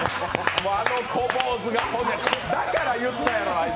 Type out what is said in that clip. あの小坊主がほんで、だから言ったやろ、あいつ！